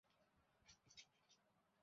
সমস্যা তো সেখানেই।